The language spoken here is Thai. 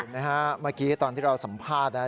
ไหมฮะเมื่อกี้ตอนที่เราสัมภาษณ์นะ